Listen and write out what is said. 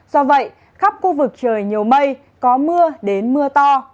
do vậy khắp khu vực trời nhiều mây có mưa đến mưa to